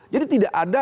jadi tidak ada